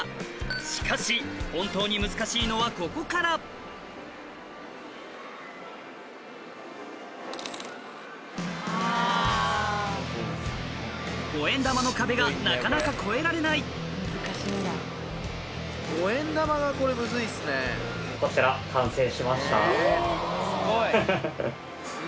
しかし本当に難しいのはここから５円玉の壁がなかなか越えられないすごい！